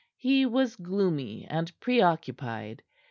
He was gloomy and preoccupied.